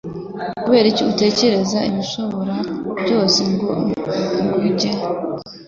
kubera iki utakoze ibishoboka byose ngo wige?